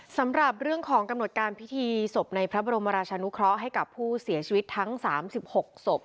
สำหรับเรื่องของกำหนดการพิธีศพในพระบรมราชานุเคราะห์ให้กับผู้เสียชีวิตทั้ง๓๖ศพ